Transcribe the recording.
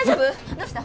どうした？